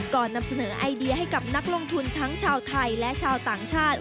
นำเสนอไอเดียให้กับนักลงทุนทั้งชาวไทยและชาวต่างชาติ